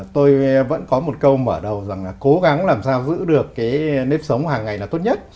tôi vẫn có một câu mở đầu rằng là cố gắng làm sao giữ được cái nếp sống hàng ngày là tốt nhất